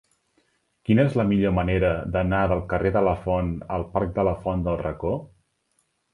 Quina és la millor manera d'anar del carrer de Lafont al parc de la Font del Racó?